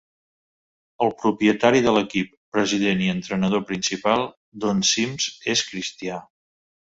El propietari de l'equip, president i entrenador principal, Don Sims, és cristià.